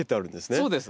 そうです。